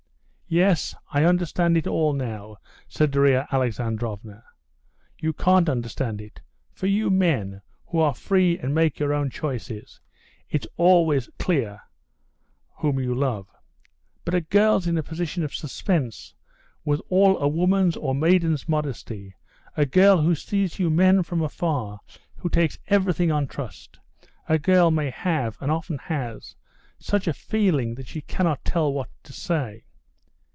"Yes, I understand it all now," said Darya Alexandrovna. "You can't understand it; for you men, who are free and make your own choice, it's always clear whom you love. But a girl's in a position of suspense, with all a woman's or maiden's modesty, a girl who sees you men from afar, who takes everything on trust,—a girl may have, and often has, such a feeling that she cannot tell what to say."